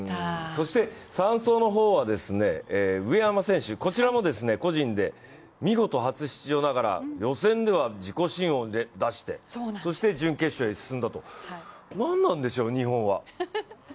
そして３走は上山選手、こちらも個人で見事初出場ながら予選では自己新を出してそして準決勝に進んだと、何なんでしょう、日本は。